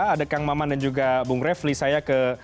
ada kang maman dan juga bung refli saya ke